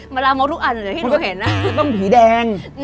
มันลามกทุกอันเหมือนที่หนูเห็นน่ะคือต้องผีแดง